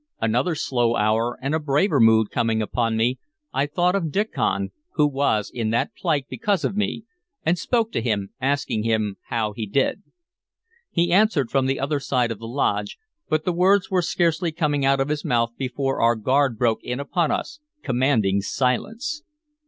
Another slow hour, and, a braver mood coming upon me, I thought of Diccon, who was in that plight because of me, and spoke to him, asking him how he did. He answered from the other side of the lodge, but the words were scarcely out of his mouth before our guard broke in upon us commanding silence.